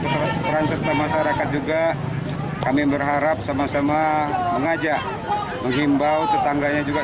pesawat perancor dan masyarakat juga kami berharap sama sama mengajak menghimbau tetangganya juga